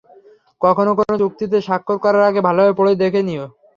কখনও কোনো চুক্তিতে স্বাক্ষর করার আগে ভালভাবে পড়েও দেখিনি।